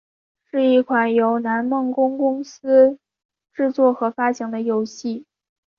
是一款由南梦宫公司制作和发行的游戏。